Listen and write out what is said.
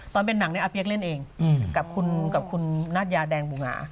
ตอนเป็นหนังเนี่ยอาเปี๊ยกเล่นเองกับคุณนาธยาแดงบูหงา